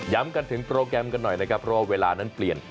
กันถึงโปรแกรมกันหน่อยนะครับเพราะว่าเวลานั้นเปลี่ยน